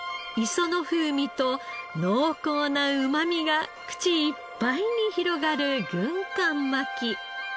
磯の風味と濃厚なうまみが口いっぱいに広がる軍艦巻き。